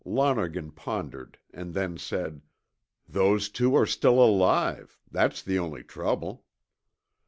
Lonergan pondered and then said, "Those two are still alive. That's the only trouble."